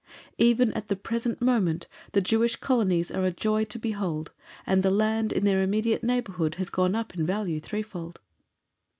Even at the present moment the Jewish colonies are a joy to behold, and the land in their immediate neighbourhood has gone up in value threefold.